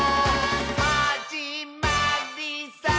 「はじまりさー」